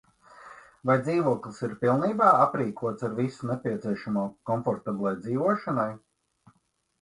Vai dzīvoklis ir pilnībā aprīkots ar visu nepieciešamo komfortablai dzīvošanai?